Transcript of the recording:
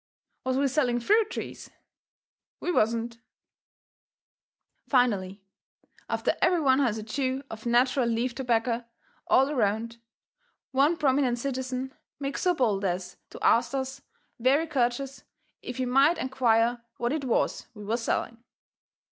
Was we selling fruit trees? We wasn't. Finally, after every one has a chew of natcheral leaf tobaccer all around, one prominent citizen makes so bold as to ast us very courteous if he might enquire what it was we was selling.